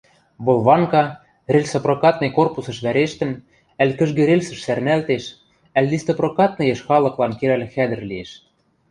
Болванка, рельсопрокатный корпусыш вӓрештӹн, ӓль кӹжгӹ рельсӹш сӓрнӓлтеш, ӓль листопрокатныеш халыклан керӓл хӓдӹр лиэш.